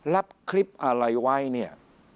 รับคลิปอะไรไว้เนี่ย